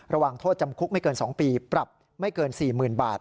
ระหว่างโทษจำคุกไม่เกิน๒ปีปรับไม่เกิน๔๐๐๐บาท